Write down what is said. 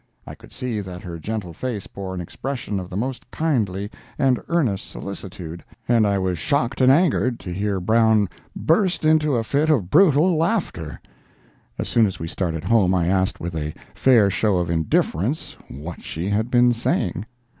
I could see that her gentle face bore an expression of the most kindly and earnest solicitude, and I was shocked and angered to hear Brown burst into a fit of brutal laughter As soon as we started home, I asked with a fair show of indifference, what she had been saying.